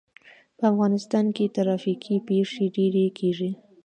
په افغانستان کې ترافیکي پېښې ډېرې کېږي.